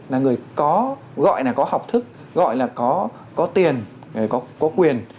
là người có gọi là có học thức gọi là có tiền có quyền